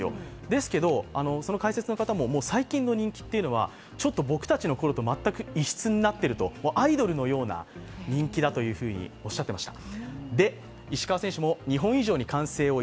ですけど、その解説の方も最近の人気っていうのは、ちょっと僕たちのころとは異質になってると、アイドルのような人気だとおっしゃってました。